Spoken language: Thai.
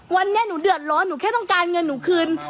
วันนี้หนูเดือดร้อนหนูแค่ต้องการเงินหนูคืน